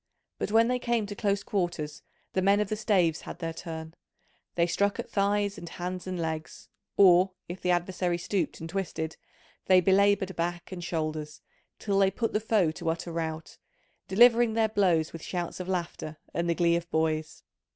But when they came to close quarters the men of the staves had their turn: they struck at thighs and hands and legs, or, if the adversary stooped and twisted, they belaboured back and shoulders, till they put the foe to utter rout, delivering their blows with shouts of laughter and the glee of boys.